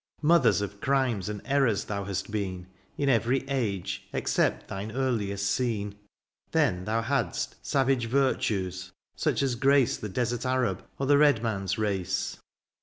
Mother of crimes and errors thou hast been. In every age, except thine earliest scene. Then thou hadst savage virtues, such as grace The desert Arab, or the red man^s race.